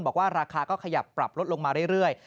บอกว่าราคาก็ขยับปรับลดลงมาเรื่อย